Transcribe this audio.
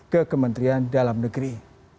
ke kementerian dalam negeri